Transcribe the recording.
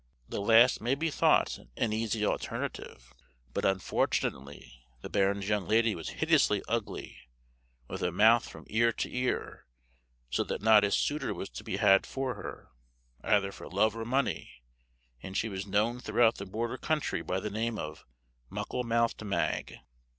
The last may be thought an easy alternative, but unfortunately, the baron's young lady was hideously ugly, with a mouth from ear to ear, so that not a suitor was to be had for her, either for love or money, and she was known throughout the border country by the name of Muckle mouthed Mag!